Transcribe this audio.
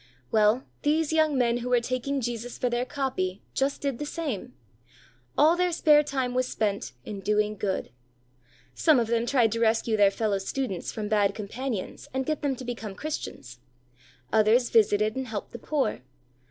Well, these young men who were taking Jesus for their copy, just did the same; all their spare time was spent in "doing good." Some of them tried to rescue their fellow students from bad companions and get them to become Christians; others visited and helped the poor.